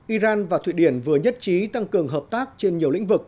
iran và thụy điển vừa nhất trí tăng cường hợp tác trên nhiều lĩnh vực